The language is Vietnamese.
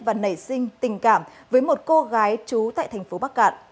và nảy sinh tình cảm với một cô gái chú tại tp bắc cạn